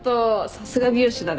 さすが美容師だね。